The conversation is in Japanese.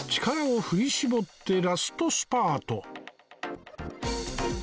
力を振り絞ってラストスパート